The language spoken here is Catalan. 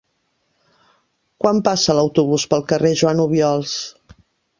Quan passa l'autobús pel carrer Joan Obiols?